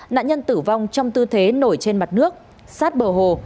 nạn nhân tử vong trong tư thế nổi trên mặt nước sát bờ hồ